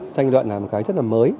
tranh luận là một cái rất là mới